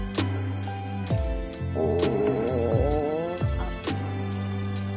あっ！